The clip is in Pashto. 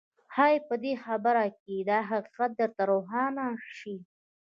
ښايي په دې خبره کې دا حقيقت درته روښانه شي.